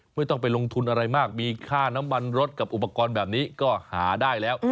ไม่ต้องไปลงทุนอะไรมากมีค่าน้ำมันรถกับอุปกรณ์แบบนี้ก็หาได้แล้ว